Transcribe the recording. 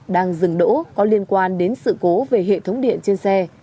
đang dừng đỗ có liên quan đến sự cố về hệ thống điện trên xe